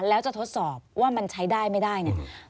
แล้วจะทดสอบว่ามันใช้ได้ไม่ได้เนี่ย